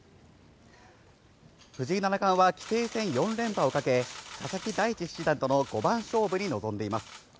藤井七冠は棋聖戦４連覇をかけ、佐々木大地七段との五番勝負に臨んでいます。